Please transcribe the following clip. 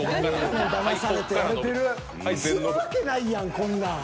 するわけないやんこんなん。